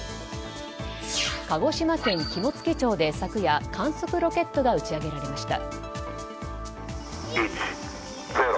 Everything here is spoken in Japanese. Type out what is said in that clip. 鹿児島県肝付町で昨夜、観測ロケットが打ち上げられました。